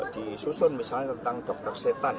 disusun misalnya tentang dokter setan